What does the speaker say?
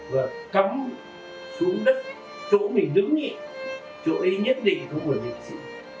và cấm xuống đất chỗ mình đứng ý chỗ ý nhất định của một nguyện sĩ